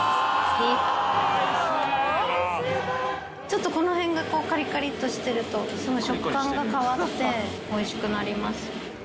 ちょっとこの辺がカリカリっとしてるとその食感が変わっておいしくなります。